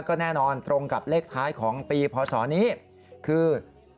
ก็แน่นอนตรงกับเลขท้ายของปีพศนี้คือ